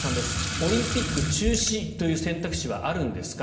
オリンピック中止という選択肢はあるんですか？